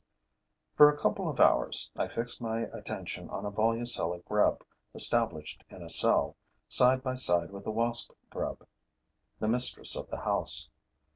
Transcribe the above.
For a couple of hours, I fix my attention on a Volucella grub established in a cell, side by side with the Wasp grub, the mistress of the house.